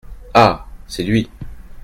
Ah ! c’est lui.